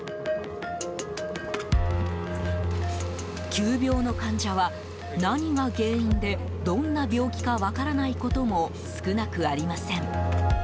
急病の患者は何が原因で、どんな病気か分からないことも少なくありません。